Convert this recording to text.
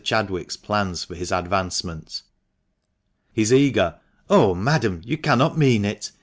Chad wick's plans for his advancement. His eager "Oh, madam, you cannot mean it!